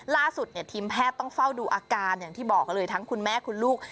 ล่าสุดทีมแพทย์ต้องเฝ้าดูอาการอย่างที่บอกเลยทั้งคุณแม่คุณลูก